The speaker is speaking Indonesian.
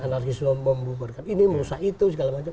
narkisme membuburkan ini musa itu segala macam